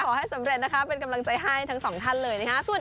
ขอให้สำเร็จนะคะเป็นกำลังใจให้ทั้งสองท่านเลยนะคะ